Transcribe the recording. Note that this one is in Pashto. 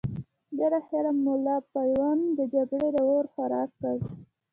بالاخره ملا پوونده د جګړې د اور خوراک کړ.